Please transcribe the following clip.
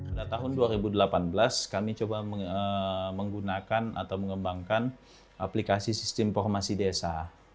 pada tahun dua ribu delapan belas kami coba menggunakan atau mengembangkan aplikasi sistem informasi desa